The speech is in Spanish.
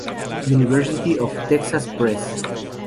University of Texas Press.